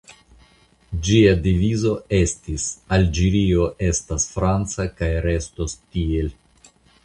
Ĝia devizo estis "Alĝerio estas franca kaj restos tiel".